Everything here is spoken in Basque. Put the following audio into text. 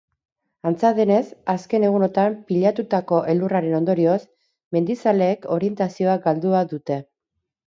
Antza denez, azken egunotan pilatutako elurraren ondorioz, mendizaleek orientazioa galdua dute.